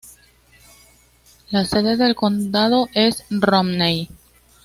La sede del condado es Romney.